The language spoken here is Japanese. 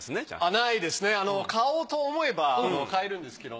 ないですね買おうと思えば買えるんですけど。